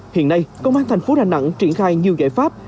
hiện nay công an thành phố đà nẵng triển khai nhiều giải pháp